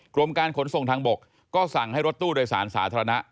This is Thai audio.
กรมการขนส่งทางบกก็สั่งให้รถตู้โดยสารสาธารณะ